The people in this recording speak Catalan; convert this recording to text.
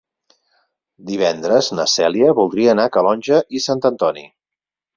Divendres na Cèlia voldria anar a Calonge i Sant Antoni.